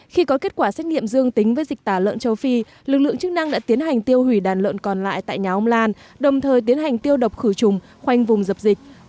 khi có kết quả xét nghiệm dương tính với dịch tả lợn châu phi lực lượng chức năng đã tiến hành tiêu hủy đàn lợn còn lại tại nhà ông lan đồng thời tiến hành tiêu độc khử trùng khoanh vùng dập dịch